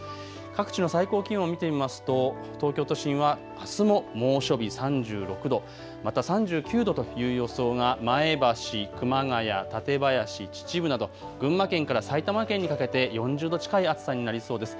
各地の最高気温、見てみますと東京都心はあすも猛暑日、３６度、また３９度という予想が前橋、熊谷、館林、秩父など群馬県から埼玉県にかけて４０度近い暑さになりそうです。